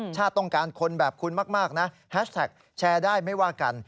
ต้องการคนแบบคุณมากนะแฮชแท็กแชร์ได้ไม่ว่ากัน